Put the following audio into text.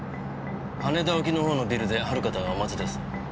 羽田沖のほうのビルである方がお待ちです。